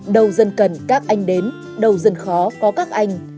đầu dân cần các anh đến đầu dân khó có các anh